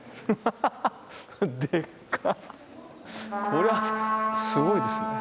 これはすごいですね。